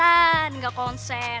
pantesan gak konsen